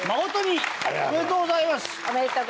おめでとうございます。